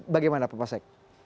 bagaimana pak sek